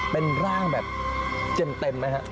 เป็นร่างแบบเจ็บเต็มไหมฮะ